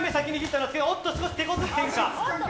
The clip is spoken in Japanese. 少し手こずっているか。